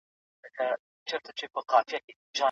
دولت په نوي اقتصاد کي د اسانتیا رامنځته کونکی دی.